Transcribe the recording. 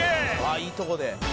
「あっいいとこで。